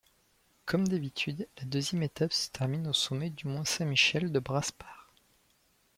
Comme d'habitude, la deuxième étape se termine au sommet du Mont Saint-Michel de Brasparts.